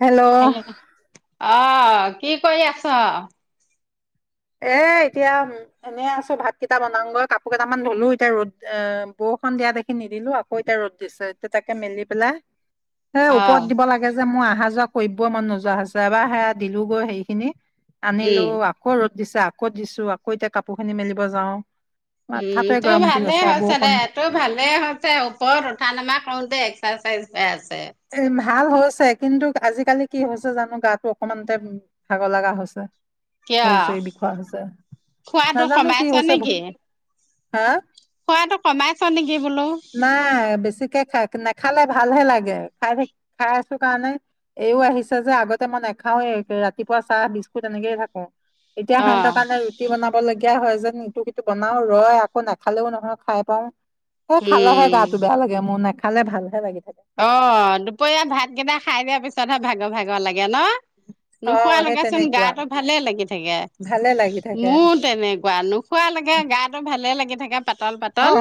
Hello. অ' কি কৰি আছ? এ এতিয়া উম এনে আছো। ভাত কেটা বনাংগৈ, কাপোৰ কেটামান ধুলু, এতিয়া ৰ'দ এ বওষুন দিয়া দেখি নিদিলো আকৌ এতিয়া ৰ'দ দিছে, এতিয়া তাকে মেলি পেলাই সেই অ ওপৰত দিব লাগে যে মই‌ আ আহা যোৱা কৰিব মন নোযোৱা হৈছে। এবাৰ সেয়া দিলো গৈ সেইখিনি। আনিলো উম আকৌ ৰদ‌ দিছে আকৌ দিছো আকৌ এতিয়া কাপোৰ খিনি মেলিব যাওঁ। উম, তোৰ ভালেই হৈছে দে, তোৰ ভালে হৈছে। ওপৰত উঠা নমা কৰোঁতে এক্স [unintelligible] [unintelligible] ভাল হৈছে কিন্তু [unintelligible] আজিকালি কি হৈছে জানো গাটো অকমানতে ভাগৰ লাগা হৈছে। কিয় ভৰি চৰি বিষোৱা হৈছে খোৱাটো নাজানো কি কমাইছা হৈছে নেকি? হা? খোৱাতটো কমাইছ নেকি বোলো? নাই বেছিকে খাই নেখালে ভাল হে লাগে। খাই থাক - খাই আছো কাৰণে, এইও আহিছে যে আগতে মই নাখাওৱে ৰাতিপুৱা চাহ বিস্কুট এনেকেই থাকো। এতিয়া অ সেহেন্তৰ কাৰণে ৰুটি বনাব লগী এতিয়া হয় যেন ইটো সিটো বনাওঁ ৰয় আকৌ নাখালেও নহয় খাই পাওঁ। এ খালেহে উম গাটো বেয়া লাগে মোৰ, নে খালে ভালহে লাগে। অ দুপৰীয়া ভাতকেইটা খাই দিয়া পিছতহে ভাগৰ ভাগৰ লাগে। গে ন? অ সেই নোখোৱালৈকেচোন তেনেকুৱা গাটো ভালে লাগি থাকে। ভালে লাগি থাকে মোৰো তেনেকুৱা নোখোৱালৈকে গাটো ভালে লাগি [unintelligible] পাতল অ পাতল।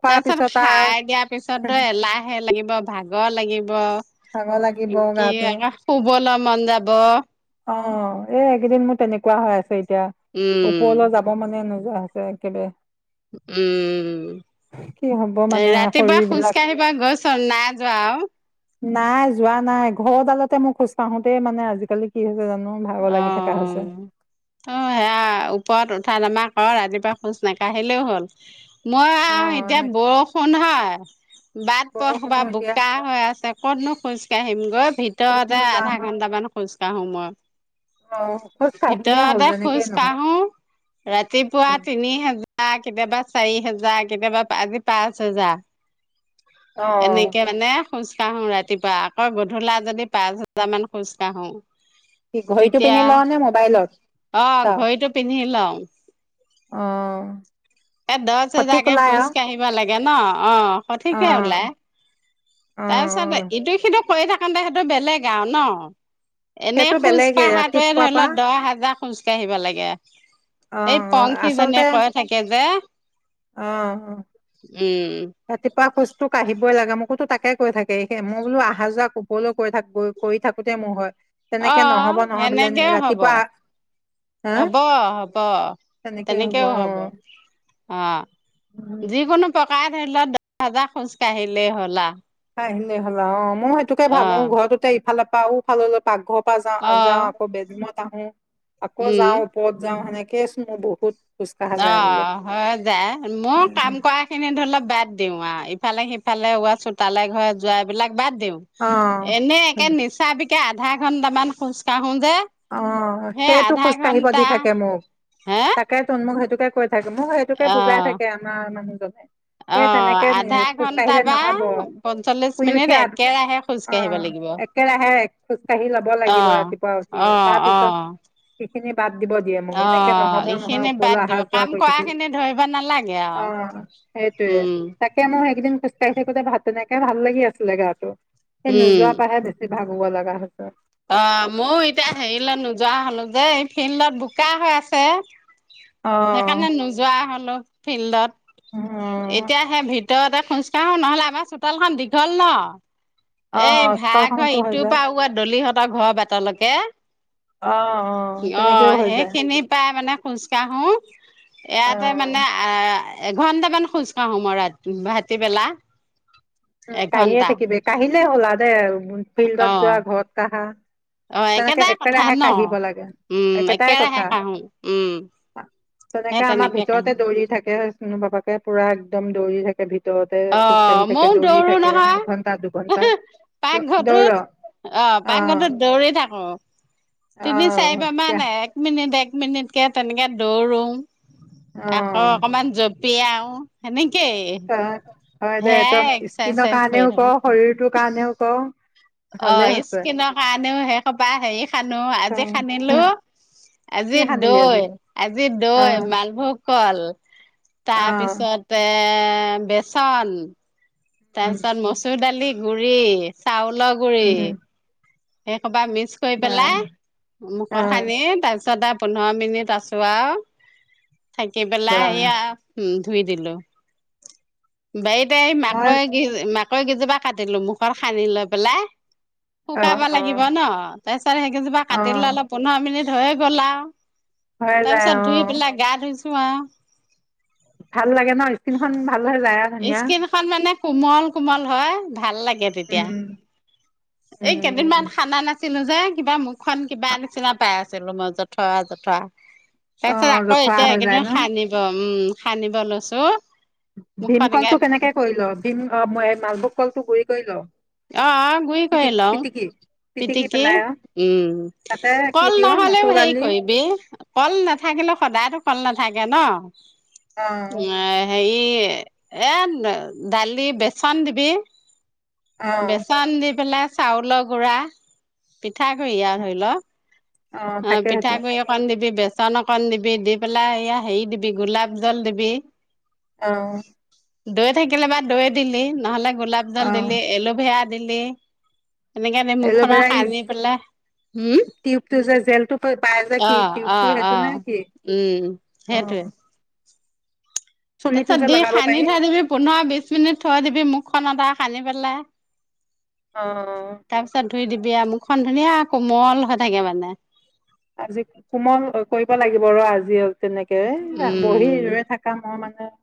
খোৱাৰ তাৰপিছত পিছত খাই আৰু দিয়াৰ পিছত টো এলাহ লাগিব ভাগৰ লাগিব। ভাগৰ লাগিব [unintelligible] কি গাটো [unintelligible] শুবলৈ মন যাব। অ' এই এইকেইদিন মোৰ তেনেকুৱা হৈ আছে। এতিয়া উম ওপৰলৈ যাব মানে নো গা চা একেবাৰে কি হ'ব উম। মানে ৰাতিপুৱা শৰীৰ বিলাক খোজকাঢ়িব গৈছ না নাই যোৱা আৰু নাই যোৱা নাই ঘৰডালতে মই খোজ কাঢ়োতেই মানে আজিকালি কি হৈছে জানো ভাগৰ অ' লাগি থকা হৈছে। অ'। অ' সেয়া ওপৰত উঠা নমা অ' ৰাতিপুৱা খোজ নাকাঢ়িলেও হ'ল। মই অ আৰু এতিয়া ন বৰষুণ হয়। [unintelligible] বাট পথ বৰষুণো সোপা এতিয়া বোকা হৈ আছে। ক'ত নু খোজ কাঢ়িম গৈ ক'তনো ভিতৰতে আধা যাম ঘণ্টামান খোজ এটা সময়ত। আৰু অ খোজ কাঢ়িলেই হ'ল ভিতৰতে যেনেকেই খোজ নহওক কাঢ়ো। ৰাতিপুৱা উম তিনি হাজাৰ জাৰ, কেতিয়াবা চাৰি হেজাৰ, কেতিয়াবা পা - আজি পাঁচ হেজাৰ। অ এনেকে মানে খোজ কাঢ়ো ৰাতিপুৱা, আকৌ গধূলা যদি পাঁচ হাজাৰ মান খোজ কাঢ়ো। কি ঘড়ীটো তেতিয়া পিন্ধি লও নে মোবাইলত অ চাও? ঘড়ীটো [unintelligible] অ। এ দছ হেজাৰ কে খোজ কাঢ়িব লা- গে ন। অ অ সঠিকে ওলাই। অ অ তাৰপিছত ইটো সিটো কৰি থাকোনতে সেইটো বেলেগ আও ন। এনে সেইটো খোজ বেলেগে কাঢ়াটোৱে ৰাতিপুৱা ধৰি পৰা ল দহ হাজাৰ। কাঢ়িব লাগে। অ এই অ পংখী আচলতে জনিয়ে কয় থাকে। বে অ অ, ৰাতিপুৱা খুজটো কাঢ়িব কই লেগে, মোকো তো তাকে কৈ থাকেে, মই বোলো আহা যোৱা কবলৈ কৈ থাক, গৈ কৰি থাকোতেই মোৰ হয়। অ। তেনেকে নহব নহয় বোলে সেনেকে হব, ৰাতিপুৱা হা হব হব, তেনেকে অ তেনেকেও হব। অ উম। যিকোনো প্ৰকাৰে ধৰি ল দহ হাজাৰ খোজ কাঢ়িলেই হ'ল আ আহিলে হ'ল আ অম মই সেইটোকে ভাবো ঘৰতোতে ইফালে বাওঁফাললে পাকঘৰ যা অ যাৱ ক বেদ ময় আহো আকৌ উম যাওঁ ওপৰত যাওঁ সেনেক কেছো মই বহুত খোজ কঢ়া অ, যায় বোলো হৈ যায় মই কাম কৰা খিনি ধৰিলও বাদ দিও আউ ইফালে সিফালে ৱা চোতালে ঘৰে যোৱা এইবিলাক বাদ দিওঁ, অ এনে একে নিচা আধা ঘণ্টা মান খোজকাঢ়ো অ সেইটো খোজ কাঢ়িব ঘন্টা দি থাকে মোক, হে তাকে তোন মোক সেইটো হে কৈইত মোক সেইটোকে অ বুজাই থাকে আমাৰ মানুহজনে, হে অ তেনেকে আধা খোজ ঘন্টা কাঢ়িলে বা নহব। পঞ্চল্লিশ শুই মিনিট উঠিয়া, একেৰাহে খোজ অ কাঢ়িব লাগিব একেৰাহে খোজ কাঢ়ি লব অ', লাগিব ৰাতিপুৱা উঠিয়ে। অ', পিছত অ সেইখিনি বাদ দিব দিয়ে মোক এনেকে অ', নহব নহয় এইখিনি ওপৰলৈ বাদ অহা দিব যোৱা কাম কৰি কৰা থাকিল খিনি ধৰিব নালাগে আৰু অঁ সেইটোয়ে উম, তাকে মই সেইকদিন খোজ কাঢ়ি থাকোতে ভাত বনাই তেতিয়া ভাল লাগি আছিলে গাটো। সেই নোযোৱাৰ পা হে বেছি ভাবিব লগা হৈছে অঁ ময়ো এতিয়া হেৰিলৈ নোযোৱা হলো যে এই ফিল্ডত বোকা হৈ আছে। অ সেইকাৰণে নোযোৱা হ'লো। ফিল্ডত উম এতিয়াহে ভিত ভিৰতে খোজকাঢ়ো নহলে আমাৰ চোতালখন দীঘল ন অ এ ভাড়াঘৰ চোতালখনতো হৈ ইটোৰ যায় পৰা আৰু আঁতৰ দলিহঁত তা ঘৰৰ বাটলেকে অ অ তেনেকেও অ' হৈ যায় সেইখিনি পাই মানে খোজকাঢ়ো ইয়াতে অ মানে আহ এঘন্টামান খোজকাঢ়ো মই ৰাতি ভাতিবেলা উম কাঢ়িয়ে থাকিবে কাঢ়ি এ হলা দে আৰু ফিল্ডত অ যোৱা ঘৰত কাঢ়া অ তেনেকে একেটাই কথা একেৰাহে ন কাঢ়িব লাগে উম একেটাই একেৰাহে কথা কাহো উম সেই তেনেকে আমাৰ কাহো ভিতৰতে দৌৰি থাকে শুনো বাপাকে পুৰা একদম দৌৰি থাকে ভিত ভিতৰতে অ খোজকাঢ়ি থাকে ময়ও দৌৰি দৌৰো থাকে এঘন্টা দুঘন্টা নহয় দৌ- দৌৰ পাকঘৰটোত অ' পাকঘৰটোত দৌৰি থাকো। অ তিনি চাৰিবাৰমান তেতিয়া এক মিনিট এক মিনিট মিনিটকে তেনেকৈ দৌৰোঁ। অ আকৌ অকমান জ জপিয়াও সেনেকে- অ' হয় দে তই স্কিনৰ এক্সাৰচাইজ কৰি কাৰণেও থাকো কৰ শৰীৰটোৰ কাৰণেও কৰ অ' স্কিনৰ কাৰণেও সেইশোপা হেৰি সানো অ আজি সানিলো কি আজি সানিলি আজি দৈ, আজি অ দৈ মালভোগ কল অ তাৰপিছতে বেচন তাৰ উম পিছত মচুৰ দালি গুৰি চাউল- ৰ গুৰি উম সেই সোপা মিক্স কৰি বা পেলাই মুখত অ', সানি তাৰ পিছতে পোন্ধৰ মিনিট আছো আও থাকি বা পেলাই সেয়া উম ধুই দিলো বাৰিত বাৰিতে মই মাকৈ গি মাকৈ মাকৈ কেইজোপা কাটিলো মুখত সানি লৈ পেলাই শুকাব অ', লাগিব অ', ন তাৰ পিছত সেইকেইজোপা কাটি লৈ অ', অলপ পোন্ধৰ মিনিট হৈয়ে গল আও হৈ তাৰ যায় পিছত ধুই অ', পেলাই গা ধুইছো ছোৱা ভাল লাগে ন স্কিনখন ভাল হৈ যায় আ ইস্কিনখন মানে মানে কোমল কোমল হয় ভাল লাগে। গে তেতিয়া উম, এই কেইদিনমান উম, সানা নাছিলো নাছিলো যে কিবা মুখনন কিবা নিচিনা পাই আছিলো মই জথৱা জথৱা তাৰ পিছত অ', আকৌ জথৰা এতিয়া এই হৈ যায় কেইদিনত ন' সানিব উম সানিব লৈছোঁ ভীমকলটো কেনেকে কৰিল ভীম মই এ মালভোগ কলটো গুৰি কৰি লও অঁ অঁ গুৰি কৰি লওঁ পিটিকি পেলাই অ', উম তাতে কি কল দিয় নহলেও মচুৰ হেৰি দালি কৰিবি কল নাথাকিলেও সদায়তো কল নাথাকে ন অঁ অ', হেৰি এই এই দালি বেচন দিবি অ', বেচন দি পেলাই চাউলৰ গুৰা পিঠাগুড়ি আ ধৰি ল অ', অঁ থাকে সেইটো পিঠাগুৰি অকণ দিবি বেচ বেচন অকন দিবি দি পেলাই এইয়া হেৰি দিবি গোলাপ জল দিবি অঁ দৈ থাকিলে বা দৈ দিলি নহলে গোলাপ অ', দিলি এল'ভেৰা দিলি এনেকে মুখখনত এল'ভেৰা ইজ সানি পেলাই হম টিউবটো যে জেলটো পাই যে কি অঁ টিউবটো অ' সেইটো নে অ' কি উম সেইটোৱে। অ', চুলিটো তাৰপিছত যে দি লগাব সানি পাৰি থৈ দিবি পোন্ধৰ বিছ মিনিট থৈ দিবি মুখখনত আ সানি পেলাই অ তাৰপিছত ধুই দিব তেতিয়া মুখখন ধুনীয়া কোমল হৈ থাকে মানে। আজি কোমল কৰিব লাগিব ৰ আজি তেনেকে বহি উম ৰৈ থাকা মই মানে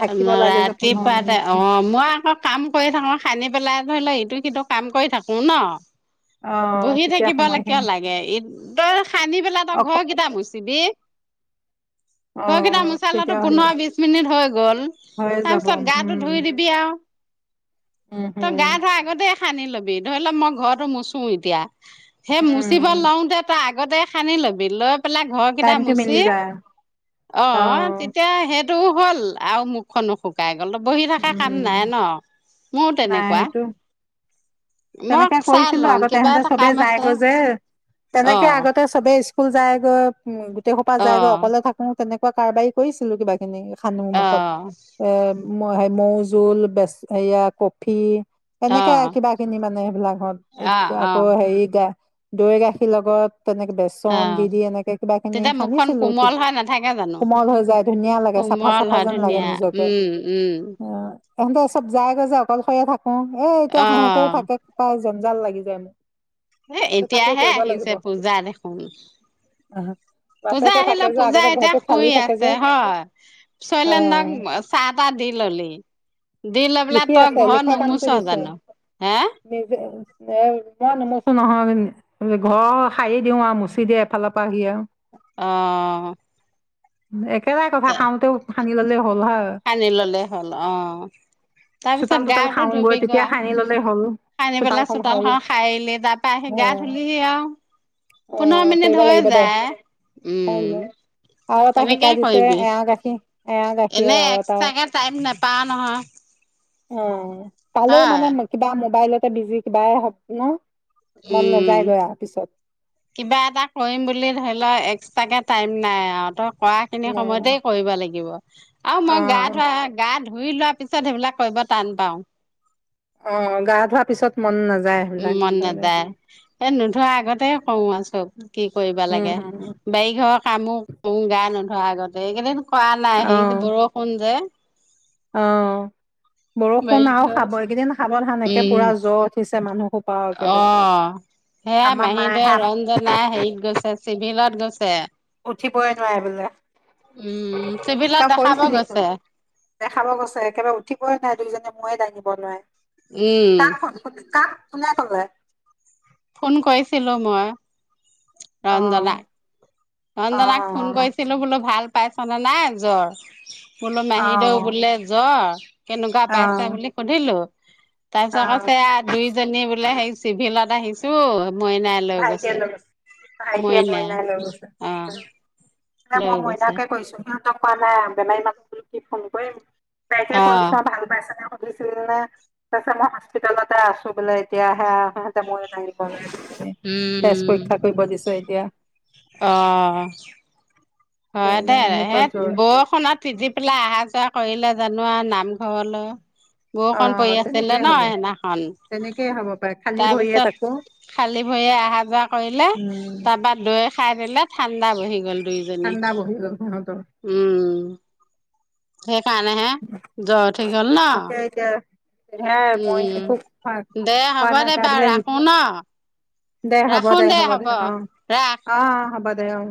থাকিব লাগে যে পোন্ধৰ ৰাতিপুৱাতে মিনিট অঁ মই আকৌ কাম কৰি থাকো সানি পেলাই মই ন ইটো সিটো কাম কৰি থাকো ন। অ বহি তেতিয়া থাকিবলৈ কিয় সময়খিনি লাগে এই তই সানি পেলাই অ তই ঘৰ কেইটা মুচিবি অ ঘৰকেইটা মোচালেটো তেতিয়া হৈ পোন্ধৰ বিশ মিনিট হৈ গল হৈয়ে যাব তাৰপিছত উম গাটো ধুই দিবি আৰু উম তই হম গা ধোৱা আগতে সানি ল'বি ধৰি ল মই ঘৰতো মুচু মুচু এতিয়া সেই উম মুচিব লওতে তই আগ আগতে সানি ল'বি লৈ পেলাই ঘৰ কেইটা টাইমটো মুচি মিলি যায় অ' তেতিয়া সেই কামটোও হ'ল আৰু মুখখনো শুকাই গ'ল। অলপ বহি থকা কাম নাই উম ন মোৰ নাই তেনেকুৱা সেইটো মই তেনেকে চাই কৰিছিলো লওঁ আগতে কিবা তেহঁতে এটা চবে কাম আছে যায়গৈ যে অ তেনেকে আগতে সবে স্কুল যায়। [unintelligible] গোটেইসোপা যায়গৈ অকলে থাকো। তেনেকুৱা কাৰবাৰী কৰিছিলো কিবা খিনি সানো অ মুখত এ মৌ হে মৌজোল বেচ সেয়া কফি অ এনেকে অ কিবা কিনি মানে সেইবিলাকত অ', এতিয়া আকৌ অ', হেৰিতে দৈ গাখীৰ লগত তেনেকে বেচন দি অ', দি এনেকে কিবা খিনি তেতিয়া মুখখন সানিছিলো কোমল হৈ নাথাকে জানো? কোমল হৈ যায় ধুনীয়া লাগে চাফা কোমল চাফা হয় যেন লাগে ধুনীয়া নিজকে উম, উম, অঁ এহঁতে চব যাইগৈ যে অকলশৰে থাক- কো এ এতিয়া সিহঁত অ', থাকে পাই জনঞ্জাল লাগি যায় মোৰ এ এতিয়াহে আহিছে পূজা দেখোন আহ, পূজা বাপেকে থাকে আহিলেও যে পূজা আগতে এতিয়া ঘৰটো খালী শুই থাকে আছে যে হয় অ চৈলেন্দক চাহ তাহ দি ললি। দি লৈপেলা ই লিখি আছে ত ঘৰ লিখা নোমচ কামটো দিছো জানো হে। নিজে এ মই নুমছো নহয় কিন্তু সাৰি দিও আৰু মচি দিয়ে এফালৰ পৰা সি আৰু। অ এক একে টাই কথা খাওঁতেও সানিললে হল। হয় সানি ললে হ'ল অ। তাৰ পিছত চোতাল তোতাল গাটো সাৰোগৈ ধুবি তেতিয়া গোৱা সানি ললেই হ'ল সানি পেলাই চোতালখন খাইিলি তাৰ পৰা আহি অ গা ধুলিহি আওঁ। অ কৰিব লাগিব দে কাইলৈ উম, আৰু এটা তেনেকেই শিকাই দিছে এ কৰিবি। য়া গাখীৰ এয়া গাখীৰ আৰু এটা। পা নহয়। অ পালেওঁ হয়। মানে কিবা মোবাইল- তে বিজি কিবাই হপ ন মন উম নাযায়গৈ আৰু পিছত কিবা এটা কৰিম বুলি ধৰি ল এক্সট্ৰাকৈ টাইম নাই আওঁ তক কৰা খিনি সময়তে অ কৰিব লাগিব আৰু মই গা ধোৱা গা ধুই লোৱাৰ পিছত সেইবিলাক কৰিব টান পাওঁ। অ গা ধোৱাৰ পিছত মন নাযা- উ মন নাযায় এ নোধোৱা আগতে। সৱা চট। কি কৰিবা উম লাগে হম বাৰিঘৰ কামো কৰো গা নধ আগতে এই কেইদিন। খোৱা নাই অ সেই বৰষুণ যে। অ বাৰী বৰষুণ আৰু ঘৰত, খাব এইকেইদিন সাবধান একে উম। পুৰা জ্বৰ উঠিছে মানুহ। সোপা অ একেবাৰে। সেয়া আমাৰ মাহী ধৰ মায়েহে ৰঞ্জনা হেৰিত গৈছে চিভিলত গৈছে। উঠিবই নোৱাৰে বোলে উম, চিভিলত তই দেখাব কৰিছিলি গৈছে। ফোন দেখাব গৈছে একেবাৰে উঠিবই নোৱাই দুইজনে ময়ে দাঙি বনোৱাই। উম, কাক ফোন খোজো কা ক। কোনে কলে। ফোন কৰিছিলো মই। অ ৰঞ্জনা। অ অঞ্জনাক ফোন কৰিছিলো বোলো, ভাল ভাল পাইছনে নাই জ্বৰ? বোলো অ মাহীদেউ বুলে জ্বৰ কেনেকুৱা অ পাইছা বুলি সুধিলো? তাৰপিছত অ কছে আ, দুইজনী বোলে সেই চিভিলত আহিছো। মইনাই লৈ গৈছে, ভাইটিয়ে মইনাই। অ। শুনা, লৈ মই গৈছে মইনাকে কৈছো হা। পোৱা নাই বেমাৰী মানুহ বোলো, কি ফোন কৰিম। তাকে কৈছো অ', আ ভাল পাইছ নে ছিল নে, তাছত মই হস্পিতালতে আছো বোলে এতিয়া, আহা আহাতে মই। [unintelligible] তেজ উম, পৰীক্ষা কৰিব দিছে, এতিয়া। অঁ হয় দে, এনেকুৱা সেই জ্বৰ বৰষুণত তিতি পেলাই আহা যোৱা কৰিলে জানোৱা নামঘৰলৈ। অ বৰষণ পৰি আছিলে তেনেকেই ন হ'ব সেইদিনাখন, তেনেকেই হ'ব পাৰে খালী ভৰিয়ে তাৰপিছত তাকো খালী ভৰিয়ে আহা যোৱা কৰিলে, উম তাপা দৈ খাই দিলে। ঠা- ণ্ডা বহি গল। দুই জনি। [unintelligible] উম। হে খানেহে জ্বৰ উঠি গল ন। তাকে এতিয়া সেয়াই মই একো খোৱা উম। দে খোৱা হ'ব নাই দে তাই বোলে বাৰু ৰাখো ন। দে, হ'ব দে, হ'ব দে, অ ৰাখ। অ অ হ'ব দে। সম।